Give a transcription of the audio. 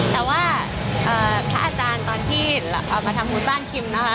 แต่ว่าพระอาจารย์ตอนที่มาทำบุญบ้านคิมนะคะ